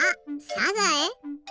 サザエ？